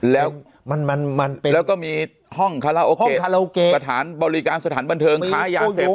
แล้วมันมันมันเป็นแล้วก็มีห้องคาราโอเกะประถานบริการสถานบันเทิงค้ายาเสพติดด้วย